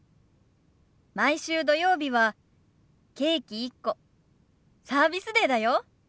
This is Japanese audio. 毎週土曜日はケーキ１個サービスデーだよ。